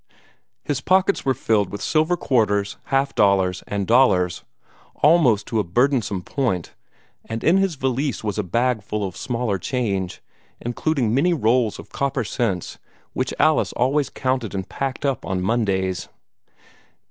His pockets were filled with silver quarters, half dollars, and dollars almost to a burdensome point, and in his valise was a bag full of smaller change, including many rolls of copper cents which Alice always counted and packed up on Mondays.